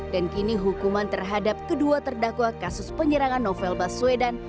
dan kini hukuman terhadap kedua terdakwa kasus penyerangan novel baswedan